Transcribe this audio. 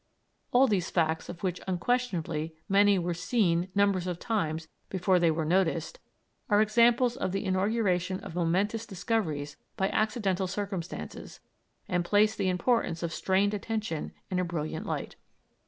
All these facts, of which unquestionably many were seen numbers of times before they were noticed, are examples of the inauguration of momentous discoveries by accidental circumstances, and place the importance of strained attention in a brilliant light.